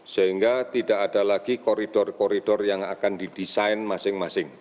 sehingga tidak ada lagi koridor koridor yang akan didesain masing masing